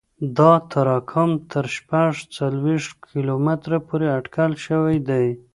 دا تراکم تر شپږ څلوېښت کیلومتره پورې اټکل شوی دی